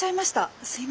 すいません。